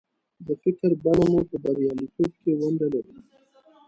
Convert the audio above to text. د فکر بڼه مو په برياليتوب کې ونډه لري.